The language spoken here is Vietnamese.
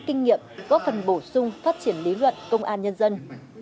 kinh nghiệm góp phần bổ sung phát triển lý luận công an nhân dân